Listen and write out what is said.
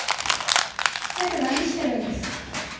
先生何してるんですか？